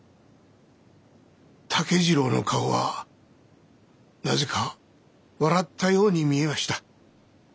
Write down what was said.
竹次郎の顔はなぜか笑ったように見えました。